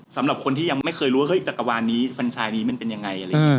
สำหรับคนที่ยังไม่เคยรู้ว่าฝันชายนี้เป็นยังไง